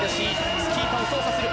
スキー板を操作する。